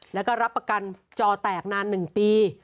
แล้วก็รับประกันจอแตกนาน๑ปี